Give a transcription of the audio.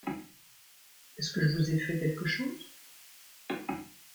Est-ce que je vous ai fait quelque chose ?